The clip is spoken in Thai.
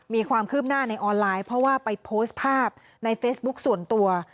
มีความคืบหน้าในออนไลน์เพราะว่าไปโพสต์ภาพในเฟซบุ๊คส่วนตัว